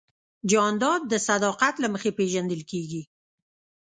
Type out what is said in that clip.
جانداد د صداقت له مخې پېژندل کېږي.